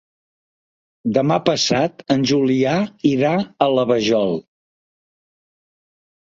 Demà passat en Julià irà a la Vajol.